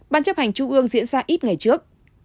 ban chấp hành trung ương diễn ra ít ngày trước